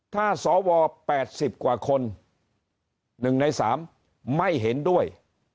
ถ้าสว๘๐กว่าคน๑ใน๓ไม่เห็นด้วย